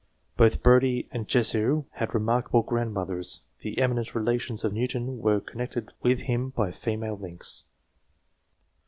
Both Brodie and Jussieu had remark able grandmothers. The eminent relations of Newton were connected with him by female links.